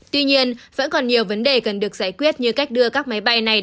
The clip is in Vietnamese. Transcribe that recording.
tuy nhiên vẫn còn nhiều vấn đề cần được giải quyết như cách đưa các máy bay này